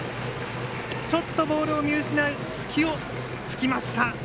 ちょっとボールを見失う隙を突きました。